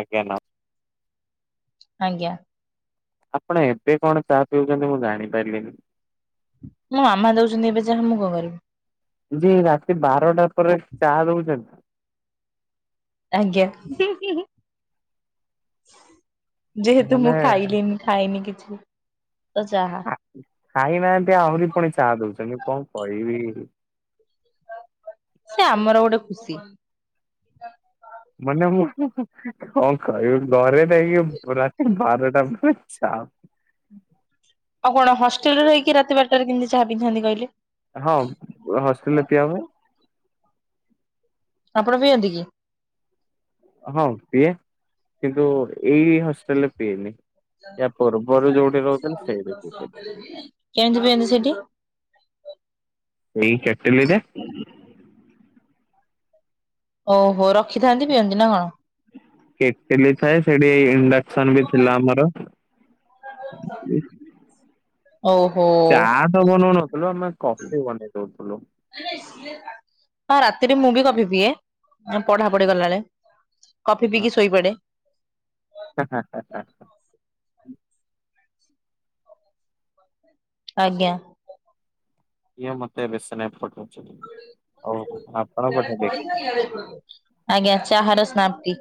ଆଜ୍ଞା ନ ଆଂଜ୍ଞା। ଆପଣ ଏବେ କଣ ଚାହା ପିଉଛନ୍ତି ମୁଁ ଜାଣିପାରିଲିନି? ମୋ ମାମା ଦଉଛନ୍ତି ଏବେ ଚାହା, ମୁଁ କଣ କରିବି? ଯେ ରାତି ବାରଟା ପରେ ଚା ଦଉଛନ୍ତି। ଆଜ୍ଞା ହିଁ ହିଁ ଯେହେତୁ ମାନେ ମୁଁ ଖାଇଲିନି। ଖାଇନି କିଛି ତ ଚାହା ଖାଇନାହାନ୍ତି ଆହୁରି ପୁଣି ଚାହା ଦଉଛନ୍ତି କଣ କହିବି? ସେ ଆମର ଗୋଟେ ଖୁସି। ମାନେ ମୁଁ ହୁଁ ହୁଁ କଣ କହିବି ଘରେ ଇ ରାତି ବାରଟା ପରେ ଚା। ଆଉ କଣ ହଷ୍ଟେଲରେ ରହିକି ରାତି ବାରଟାରେ କେମିତି ଚାହା ପିଥାନ୍ତି କହିଲେ। ହଁ ହଷ୍ଟେଲରେ ପିଆ ହୁଏ। ଆପଣ ପିଅନ୍ତି କି? ହଁ ପିଏ କିନ୍ତୁ ଏଇ ହଷ୍ଟେଲ ରେ ପିଏନି। ୟା ପୂର୍ବରୁ ଯୋଉଠି ରହୁଥିଲି ସେଇଠ ପିଉଥିଲି। କେମିତି ପିଅ ନ୍ତି ସେଠି। ଏଇ କେଟିଲି ରେ। ଓହୋ ରଖିଥାନ୍ତି ପିଅନ୍ତି ନା କଣ? କେଟିଲି ଥାଏ ସେଠି ଇଣ୍ଡକ୍ସନ ବି ଥିଲା ଆମର। ଓହୋ। ଚା ତ ବନଉନଥିଲୁ ଆମେ କଫି ବନେଇ ଦଉଥିଲୁ। ହଁ ରାତିରେ ମୁଁ ବି କଫି ପିଏ ପଢା ପଢି କଲାବେଳେ। କଫି ପିଇକି ଶୋଇପଡେ। ହଁ ହଁ ହଁ ହଁଁ। ଆଜ୍ଞା। ଇଏ ମତେ ବେଶ ନାଇ ପଠଉଛନ୍ତି ଆଉ ଆପଣ ପଠେଇଲେକି? [inaudible] ଆଜ୍ଞା ଚାହାର ସ୍ନାପ୍ତି।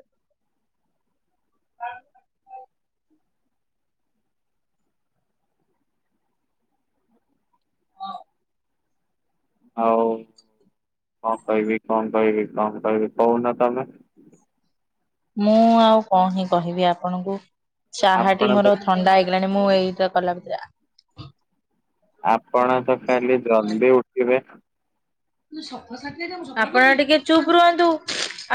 ଆଉ କଣ କହିବି କଣ କହିବି କଣ କହିବି କହୁନ ତମେ? ମୁଁ ଆଉ କଣ ହିଁ କହିବି ଆପଣଙ୍କୁ ଚାହାଟି ଆପଣ ତ ମୋର ଥଣ୍ଡା ହେଲାଣି ମୁଁ ଏଇ ତ କଲା [unintelligible] ଆପଣ ତ ଖାଲି ଜଲଦି ଉଠିବେ ତୁ ସଫ [unintelligible] ତେ ଦେବୁ। ଆପଣ ଟିକେ ଚୁପ୍ ରୁହନ୍ତୁ।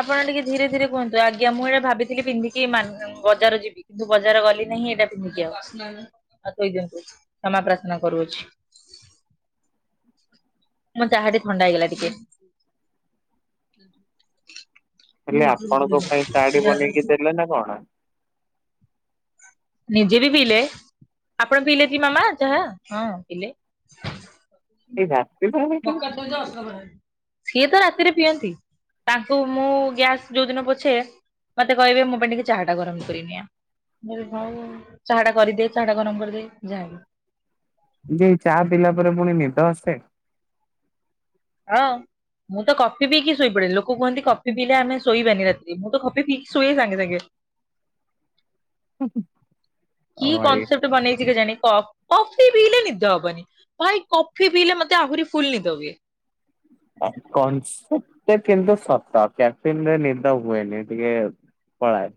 ଆପଣ ଟିକେ ଧୀରେ ଧୀରେ କୁହନ୍ତୁ। ଆଜ୍ଞା ମୁଁ ଏଇଟା ଭାବିଥିଲି ପିନ୍ଧିକି କି ମାନେ ବଜାର ଯିବି କିନ୍ତୁ ବଜାର ଗଲି ନେହିଁ ଏଇଟା ପିନ୍ଧିକି ଆଉ। ଆ [unintelligible] ତତେ କ୍ଷମା ପ୍ରାର୍ଥନା କରୁଅଛି। ମୁଁ ଯାହା ଟେ ଥଣ୍ଡା ହେଇଗଲା ଟିକେ। ଖାଲି ଆପଣଙ୍କ ପାଇଁ ଚାହାଟି ବନେଇକି ଦେଲେ ନା କଣ? ନିଜେ ବି ପିଇଲେ। ଆପଣ ପିଇଲେ କି ମାମା ଚାହା? ହଁ ପିଲେ। ଏଇ ରାତି ପା [unintelligible] ସିଏ ତ ରାତିରେ ପିଅନ୍ତି। ତାଙ୍କୁ ମୁଁ ଗ୍ୟାସ୍ ଯୋଉ ଦିନ ପୋଛେ ମତେ କହିବେ ମୋ ପାଇଁ ଟିକେ ଚାହାଟା ଗରମ କରିନିଅ। ମୁଁ କହିଲି ଉଉ ଚାହା ଟା କରିଦିଏ ଚାହା ଟା ଗରମ କରିଦେଇ ଯାଏ। ଦେଇ ଚା ପିିଲା ପରେ ପୁଣି ନିଦ ଆସେ? ହଁ ମୁଁ ତ କଫି ପିଇକି ଶୋଇପଡେ ଲୋକ କୁହନ୍ତି କଫି ପିଇଲେ ଆମେ ଶୋଇବାନି ରାତି। ମୁଁ ତ କଫି ପିଇକି ଶୁଏ ସାଙ୍ଗେ ସାଙ୍ଗେ। ଓ କି ଭାଇ। କନସେପ୍ଟ ବନେଇଛି କେଜାଣି କ କଫି ପିଇଲେ ନିଦ ହବନି। ଭାଈ କଫି ପିଇଲେ ମତେ ଆହୁରି ଫୁଲ ନିଦ ହୁଏ। କନସେପଟା କିନ୍ତୁ ସତ କ୍ୟାପିଂରେ ନିଦ ହୁଏନି ଟିକେ ପଳାଏ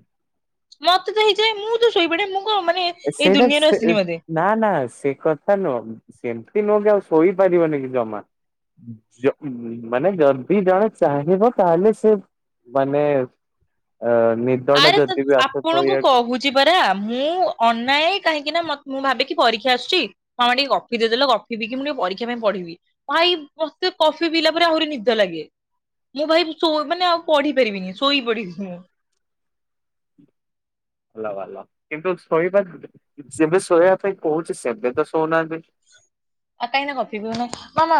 ମତେ ତ ହେଇଯାଏ ମୁଁ ତ ଶୋଇ ପଡେ ମୁଁ କଣ ମାନେ ଏଇ ସେଇଟା ଦୁନିଆରୁ ସେ ଆସିନି ବୋଧେ। ନା ନା ସେ କଥା ନୁହଁ ସେମତି ନୁହଁ କି ଆଉ ଶୋଇପାରିବନି କି ଜମା। ଯ ମାନେ ଯଦି ଜଣେ ଚାହିଁବ ତାହେଲେ ସେ ମାନେ ଅ ନିଦଟା ଯଦି ବି ଆସେ ଶୋଇବାକୁ ବୁଝୁଛି ପରା ମୁଁ ଅନାଏ କାହିଁକି ନା ମ ମୁଁ ଭାବେକି ପରୀକ୍ଷା ଆସୁଛି ମାମା ଟିକେ କଫି ଦେଇଦଲ କଫି ପିଇକି ମୁଁ ଟିକେ ପରୀକ୍ଷା ପାଇଁ ପଢିବି। ଭାଈ ମତେ କଫି ପିଇଲା ପରେ ଆହୁରି ନିଦ ଲାଗେ। ମୁଁ ଭାଈ ଶୋ ମାନେ ଆଉ ପଢି ପାରିବିନି ଶୋଇ ପଢି ମୁଁ। ଭଲ ଭଲ କିନ୍ତୁ ଶୋଇବା ଯେବେ ଶୋଇବା ପାଇଁ କହୁଛି ସେବେ ତ ଶୋଉନାହାନ୍ତି? ଆଉ କାହିଁକି ନା କଫି ପିଉନ, ମାମା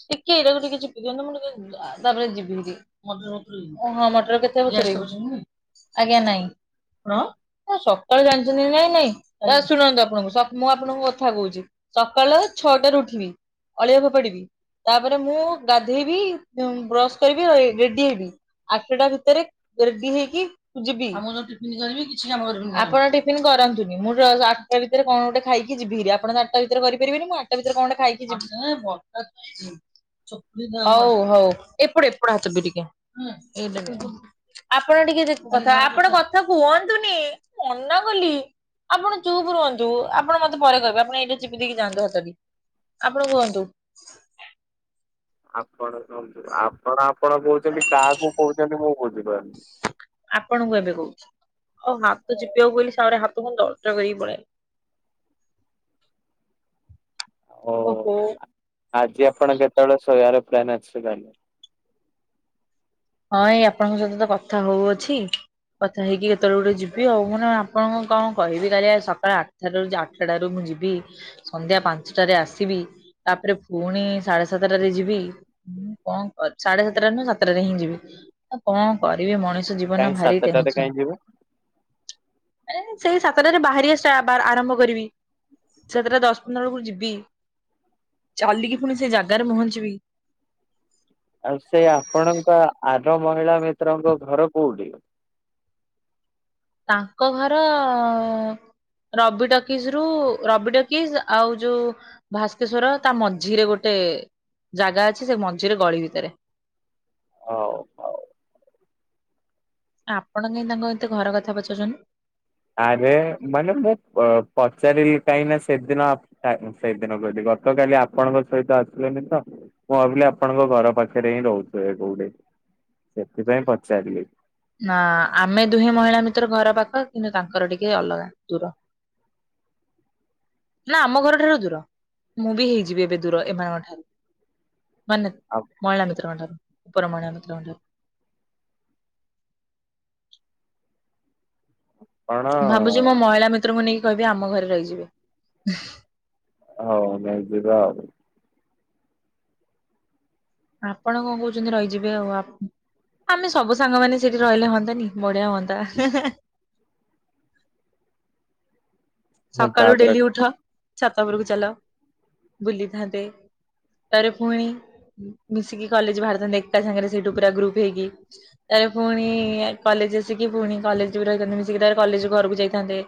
ଟିକେ ଏଇଟାକୁ ଟିକେ ଚିପି ଦିଅନ୍ତୁ ମୁଁ ଟିକେ ତାପରେ ଯିବି ହେଇଟି। ହଁ ମଟର କେତେ ବସେଇବି? ଆଜ୍ଞା ନାଇଁ [inaudible] ସକାଳୁ ଜାଣିଛନ୍ତି କି ନାଇଁ ନାଇଁ ଶୁଣନ୍ତୁ ଆପଣଙ୍କୁ ମୁଁ ଆପଣଙ୍କୁ କଥା କହୁଛି। ସକାଳ ଛଅଟାରୁ ଉଠିବି ଅଳିଆ ଫୋପାଡିବି। ତାପରେ ମୁଁ ଗାଧେଇବି ଉଁ ବ୍ରସ୍ କରିବି ରେଡି ହେବି। ଆଠଟା ଭିତରେ ରେଡି ହେଇକି ଯିବି ଆପଣ ଟିଫନ୍ କରନ୍ତୁନି ମୁଁ [unintelligible] ଆ ଆଠଟା ଭିତରେ କଣ ଗୋଟେ ଖାଇକି ଯିବି ହେରି ଆପଣ ତ ଆଠଟା ଭିତରେ କରିପାରିବେନି ମୁଁ ତା ଭିତରେ କଣଗୋଟେ ଖାଇକି ଯିବି। ହଉ ହଉ ଏପଟ ଏପଟ ହାତ ବି ଟିକେ ଏଇଟା। ଆପଣ ଟିକେ ଦି କଥା ଆପଣ କଥା କୁହନ୍ତୁନି ମନା କଲି। ଆପଣ ଚୁପ୍ ରୁହନ୍ତୁ ଆପଣ ମତେ ପରେ କହିବେ ଆପଣ ଏଇଟା ଚିପି ଦେଇକି ଯାଆନ୍ତୁ ହାତଟି। ଆପଣ କୁହନ୍ତୁ। ଆପଣ ଆପଣ ଆପଣ କହୁଛନ୍ତି କାହାକୁ କହୁଛନ୍ତି ମୁଁ ବୁଝିପାରୁନି? ଆପଣଙ୍କୁ ଏବେ କହୁଛି ଓହୋ ହାତ ଚିପିବାକୁ କହିଲି ସାରେ ହାତକୁ ଦରଜ କରିକି ପଳେଇଲା। ଓ ଓହୋ। ଆଜି ଆପଣ କେତେବେଳେ ଶୋଇବାର ପ୍ଲାନ୍ ଅଛି ତାହେଲେ? ହଁ ଏଇ ଆପଣଙ୍କ ସହିତ ତ କଥା ହଉଅଛି। କଥା ହେଇକି କେତେବେଳେ ଗୋଟେ ଯିବି ଆଉ ମାନେ ଆପଣଙ୍କୁ କଣ କହିବି କାଲିଆ ସକାଳ ଆ [unintelligible] ଆଠଟାରୁ ମୁଁ ଯିବି ସନ୍ଧ୍ୟା ପାଞ୍ଚଟାରେ ଆସିବି ତାପରେ ପୁଣି ସାଢେ ସାତଟାରେ ଯିବି ହୁଁ, କଣ କ ସାଢେ ସାତଟାରେ ନୁହେ ସାତଟାରେ ହିଁ ଯିବି ଆଉ କଣ କରିବି ମଣିଷ ଜୀବ ବନ କାହିଁ ଭାରି ସାତଟାରେ ଟେନସନ୍। କାହିଁ ଯିବେ ଆରେ ସେଇ ସାତଟାରେ ବାହାରିବା ଷ୍ଟା ଆରମ୍ଭ କରିବି। ସାତଟା ଦଶ ପନ୍ଦର ବେଳକୁ ଯିବି ଚାଲିକି ପୁଣି ସେଇ ଜାଗାରେ ପହଞ୍ଚିବି। ଆଉ ସେ ଆପଣଙ୍କ ଆର ମହିଳା ମିତ୍ରଙ୍କ ଘର କୋଉଠି? ତାଙ୍କ ଘର ଉଁ ରବି ଟକିଜ ରୁ ରବି ଟକିଜ ଆଉ ଯୋଉ ଭାସ୍କେଶ୍ଵର ତା ମଝିରେ ଗୋଟେ ଜାଗା ଅଛି ସେ ମଝିରେ ଗଳି ଭିତରେ। ହଉ, ହଉ। ଆପଣ କାଇଁ ତାଙ୍କ ଏତେ ଘର କଥା ପଚାରୁଛନ୍ତି? ଆରେ ମାନେ ମୁଁ ପ-ପଚାରିଲି କାହିଁନା ସେଦିନ ଆ ସା ସେଇଦିନ କହିଲି ଗତକାଲି ଆପଣଙ୍କ ସହିତ ଆସିଲେନି ତ ମୁଁ ଭାବିଲି ଆପଣଙ୍କ ଘର ପାଖରେ ହିଁ ରହୁଥିବେ କୋଉଠି ସେଥିପାଇଁ ପଚାରିଲି ନା, ଆମେ ଦୁହେଁ ମହିଳା ମିତ୍ର ଘର ପାଖ କିନ୍ତୁ ତାଙ୍କର ଟିକେ ଅଲଗା ଦୂର ନା, ଆମ ଘରଠାରୁ ଦୂର ମୁଁ ବି ହେଇଯିବି ଏବେ ଦୂର ଏମାନଙ୍କ ଠାରୁ ମାନେ ଆଉ ମହିଳା ମିତ୍ରଙ୍କ ଠାରୁ ଉପର ମହିଳା ମିତ୍ରଙ୍କ ଠାରୁ ଆପଣ ଭାବୁଛି ମୋ ମହିଳା ମିତ୍ରଙ୍କୁ ନେଇକି କହିବି ଆମ ଘରେ ରହିଯିବେ। ହଉ, ନେଇଯିବ ଆଉ। ଆପଣ କଣ କହୁଛନ୍ତି ରହିଯିବେ ଆଉ ଆମେ ସବୁ ସାଙ୍ଗମାନେ ସେଠି ରହିଲେ ହୁଅନ୍ତାନି ବଢିଆ ହୁଅନ୍ତା। ହାଁ ହାଁ ସକାଳୁ ତାପରେ ଡେଲି ଉଠ ଛାତ ଉପରକୁ ଚାଲ ବୁଲିଥାନ୍ତେ। ତାପରେ ପୁଣି ମିଶିକି କଲେଜ ବାହାରିଥାନ୍ତେ ଏକା ସାଙ୍ଗରେ ସେଇଠୁ ପୁରା ଗ୍ରୁପ ହେଇକି ତାପରେ ପୁଣି କଲେଜ ଆସିକି ପୁଣି କଲେଜ ରହିଥାନ୍ତେ ମିଶିକି ତାପରେ କଲେଜ ଘରକୁ ଯାଇଥାନ୍ତେ।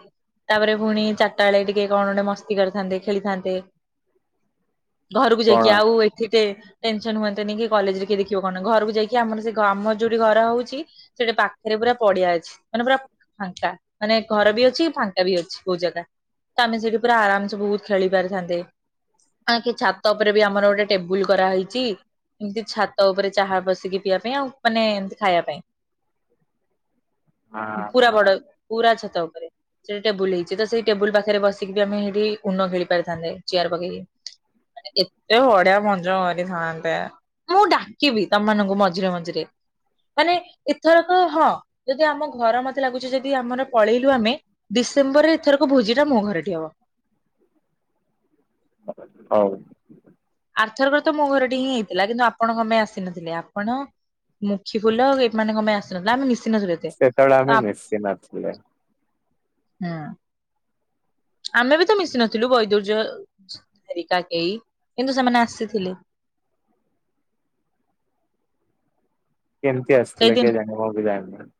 ତାପରେ ପୁଣି ଚାରିଟା ବେଳେ ଟିକେ କଣ ଗୋଟେ ମସ୍ତି କରିଥାନ୍ତେ ଖେଳିଥାନ୍ତେ ଘରକୁ କଣ ଯାଇକି ଆଉ ଏଠି ଟେ ଟେନସନ ହୁଅନ୍ତନି କି କଲେଜରେ କିଏ ଦେଖିବ କଣ ଘରକୁ ଯାଇକି ଆମର ସେ ଆମର ଯୋଉଠି ଘର ହଉଛି ସେଠି ପାଖରେ ପୁରା ପଡିଆ ଅଛି ମାନେ ପୁ ଫାଙ୍କା ମାନେ ଘର ବି ଅଛି ଫାଙ୍କା ବି ଅଛି କୋଉ ଜାଗା ତ ଆମେ ସେଇଠି ପୁରା ଆରାମ ସେ ବହୁତ୍ ଖେଳି ପାରିଥାନ୍ତେ। ନା କି ଛାତ ଉପରେ ବି ଆମର ଗୋଟେ ଟେବୁଲ କରାହେଇଛି ଏମିତି ଛାତ ଉପରେ ଚାହା ବସିକି ପିଇବା ପାଇଁ ଆଉ ମାନେ ଏମିତି ଖାଇବା ପାଇଁ। ପୁରା ହଁ ବଡ ପୁରା ଛାତ ଉପରେ ସେଇଟି ଟେବୁଲ୍ ହେଇଚି ତ ସେଇ ଟେବୁଲ ପାଖରେ ବସିକି ବି ଆମେ ସେଠି ଉନ ଖେଳି ପାରଥାନ୍ତେ ଚେୟାର ପକେଇକି। ଏତେ ବଢ଼ିଆ ମଞ୍ଜ କରିଥାନ୍ତେ। ମୁଁ ଡାକିବି ତମ ମାନଙ୍କୁ ମଝିରେ ମଝିରେ ମାନେ ଏଥରକ ହଁ, ଯଦି ଆମ ଘର ମତେ ଲାଗୁଛି ଯଦି ଆମର ପଳେଇଲୁ ଆମେ ଡିସେମ୍ବର ରେ ଏଥରକ ଭୋଜି ଟା ମୋ ଘରଟିି ହବ। ହଉ। ଆରଥର କର ତ ମୋ ଘରଟି ହିଁ ହେଇଥିଲା କିନ୍ତୁ ଆପଣ କମ ପାଇଁ ଆସିନଥିଲେ ଆପଣ ମୁଖି ଫୁଲ ଏ ମାନେ କଣ ପାଇଁ ଆସିନଥିଲା ଆମେ ମିଶିିନ ସେତେବେଳେ ଆମେ ମିଶି ନଥିଲେ। ନା। ଆମେ ବି ତ ମିଶି ନଥିଲୁ ବୈଦୁର୍ଯ୍ୟ ହେରିକା କେହି କିନ୍ତୁ ସେମାନେ ଆସିଥିଲେ। କେମିତି ଆସିଥିଲେ ସେଇଦିନ କେ ଜାଣିବ ବି ଜାଣିନ।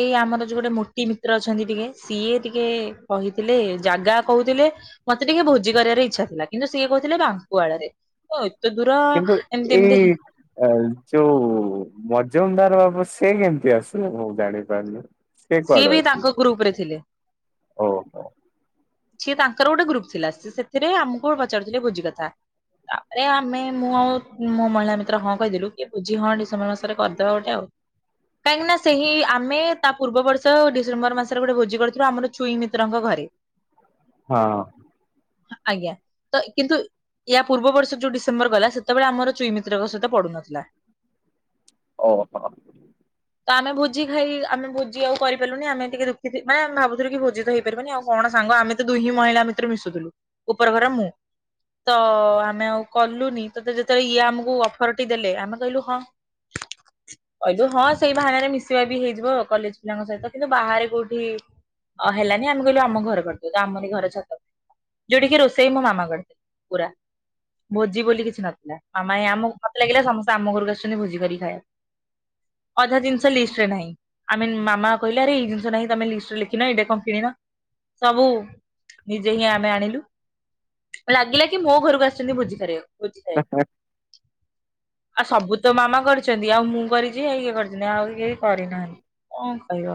ଏଇ ଆମର ଯୋଉ ଗୋଟେ ମୋଟି ମିତ୍ର ଅଛନ୍ତି ଟିକେ ସିଏ ଟିକେ କହିଥିଲେ ଜାଗା କହୁଥିଲେ ମତେ ଟିକେ ଭୋଜି କରିବାର ଇଚ୍ଛା ଥିଲା କିନ୍ତୁ ସିଏ କହୁଥିଲେ ବାଙ୍କୁ ଆଳରେ ଓ ଏତେ ଦୂର ଏମିତି ଏମିତି ଏ ଯୋଉ ମଜୁମଦାର ସେ କେମିତି ଆସିବେ ମୁଁ ଜାଣିପାରୁନି। ସେ ସିଏ ବି ତାଙ୍କ ଗ୍ରୁପ୍ ରେ ଥିଲେ। ଓ ହୋ। ସିଏ ତାଙ୍କର ଗୋଟେ ଗ୍ରୁପ ଥିଲା ସେ ସେଥିରେ ଆମକୁ ପଚାରୁଥିଲେ ଭୋଜି କଥା ତାପରେ ଆମେ ମୁଁ ଆଉ ମୋ ମହିଳା ମିତ୍ର ହଁ କହିଦେଲୁ କିଏ ବୁଝି ହଁ ଡିସେମ୍ବର ମାସରେ କରିଦବା ଗୋଟେ ଆଉ କାହିଁକି ନା ସେହି ଆମେ ତା ପୁର୍ବ ବର୍ଷ ଡିସେମ୍ବର ମାସରେ ଗୋଟେ ଭୋଜି କରିଥିଲୁ ଆମର ଛୁଇଁ ମିତ୍ରଙ୍କ ଘରେ। ହଁ ଆଜ୍ଞା ତ କିନ୍ତୁ ଏହା ପୂର୍ବବର୍ଷ ଯୋଉ ଡିସେମ୍ବର ଗଲା ସେତେବେଳେ ଆମର ଚୁଇମିତ୍ରଙ୍କ ସହିତ ପଡୁନଥିଲା। ଓ ହୋ ତ ଆମେ ଭୋଜି ଖାଇ ଆମେ ଭୋଜି ଆଉ କରିପଲୁନି ଆମେ ଟିକେ ଦୁଖି ଥି ମା ଭୋଜି ତ ହେଇପାରିବନି ଆଉ କଣ ସାଙ୍ଗ ଆମେ ତ ଦୁଇ ହିଁ ମହିଳା ଭିତରେ ମିଶୁଥିଲୁ ଉପର ଘର ମୁଁ ତ ଆମେ ଆଉ କଲୁନି ତତେ ଯେତେବେଳେ ଇଏ ଆମକୁ ଅଫର ଟି ଦେଲେ ଆମେ କହିଲୁ ହଁ ଅଯୋଉ ହଁ ସେଇ ବାହାନାରେ ମିଶିବା ବି ହେଇଯିବ କଲେଜ୍ ପିଲାଙ୍କ ସହିତ କିନ୍ତୁ ବାହାରେ କୋଉଠି ଅ ହେଲାନି ଆମେ କହିଲୁ ଆମ ଘରୁ କର୍ ଦେ ତ ଆମରି ଘର ଛାତ ଯୋଉଟାକି ରୋଷେଇ ମୋ ମାମା କରେ ପୁରା ଭୋଜି ବୋଲି କିଛି ନଥିଲା ଆମାଇ ଆମୁ ମତେ ଲାଗିଲା ସମସ୍ତେ ଆମ ଘରକୁ ଆସୁଛନ୍ତି ଭୋଜି କରିକି ଖାଇବାକୁ। ଅଧା ଜିନିଷ ଲିଷ୍ଟି ରେ ନାହିଁ। ଆମେ ମାମା କହିଲା ଇରେ ଜିନିଷ ଟା ହିଁ ତମେ ଲିଷ୍ଟ୍ ରେ ଲେଖିନ ଏଇଟା କଣ କିଣି ନ। ସବୁ ନିଜେ ହିଁ ଆମେ ଆଣିଲୁ ଲାଗିଲା କି ମୋ ଘରକୁ ଆସିଛନ୍ତି ଭୋଜି ଖରିବାକୁ ଭୋଜି ଖାଇବାକୁ। ଆଉ ସବୁ ତ ମାମା କରିଛନ୍ତି ଆଉ ମୁଁ କରିଛି ହେଇ ଏ କରିଛନ୍ତି ଆଉ କେହି କରିନାହାନ୍ତି। କଣ କହିବ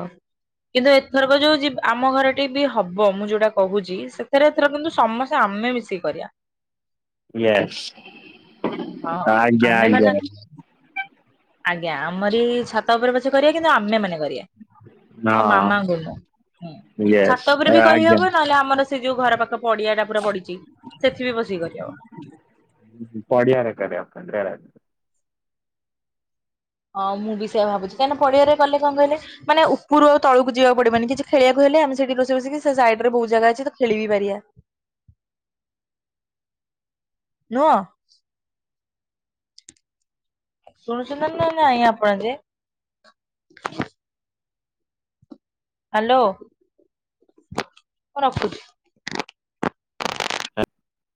କିନ୍ତୁ ଏଥରକ ଯୋଉ ଯିବ ଆମ ଘର ଟି ବି ହବ ମୁଁ ଯୋଉଟା କହୁଛି ସେଥିରେ ଏଥର କିନ୍ତୁ ସମସ୍ତେ ଆମେ ମିଶିକି କରିବା। ହଁ ୟେସ୍ ଆଜ୍ଞା ଆମେ ମାନେ ଆଜ୍ଞା। ଆଜ୍ଞା ଆମରି ଛାତ ଉପରେ ପଛେ କରିବା କିନ୍ତୁ ଆମେ ମାନେ କରିବା। ଆଉ ହଁ ୟେ ତ ଉପରେ ବି କରିହେବ ନହେଲେ ଆମର ସେଇ ଯୋଉ ଘର ପାଖ ପଡ଼ିଆ ଟା ପୁରା ପଡ଼ିଛି ସେଠିବି ବସି କରିହବ। ପଡ଼ିଆ ରେ କରିଆ [unintelligible] ହଁ ମୁଁ ବି ସେୟା ଭାବୁଚି କାହିଁ ନା ପଡ଼ିଆରେ କଲେ କଣ କହିଲେ ମାନେ ଉପରୁ ଆଉ ତଳକୁ ଯିବାକୁ ପଡ଼ିବନି କିଛି ଖେଳିବାକୁ ହେଲେ ଆମେ ସେଇଠି ରୋଷେଇ ବସିକି ସେ ସାଇଟ୍ ରେ ବୋହୁତ୍ ଜାଗା ଅଛି ତ ଖେଳିବି ପାରିବା। ନୁହଁ। ଶୁଣୁଛୁ ନା ନା ନାଇଁ ଆପଣ ଯେ। ହ୍ୟାଲୋ। ରଖୁଛି। ଆ